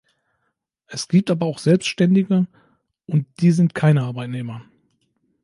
Es gibt aber auch Selbständige, und die sind keine Arbeitnehmer.